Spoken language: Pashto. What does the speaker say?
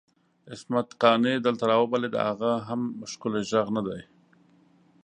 عصمت قانع دلته راوبلئ د هغه هم ښکلی ږغ ندی؟!